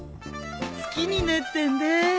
好きになったんだ。